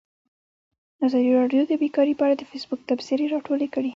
ازادي راډیو د بیکاري په اړه د فیسبوک تبصرې راټولې کړي.